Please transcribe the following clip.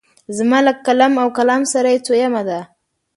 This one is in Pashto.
زما له قلم او کلام سره یې څویمه ده.